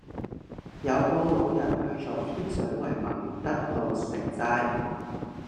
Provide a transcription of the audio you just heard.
有個老人去左天水圍民德路食齋